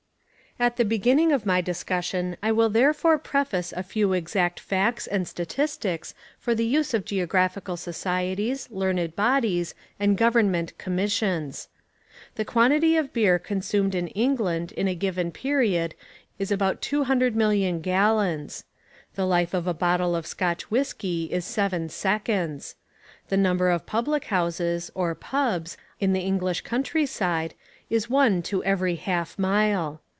At the beginning of my discussion I will therefore preface a few exact facts and statistics for the use of geographical societies, learned bodies and government commissions. The quantity of beer consumed in England in a given period is about 200,000,000 gallons. The life of a bottle of Scotch whiskey is seven seconds. The number of public houses, or "pubs," in the English countryside is one to every half mile.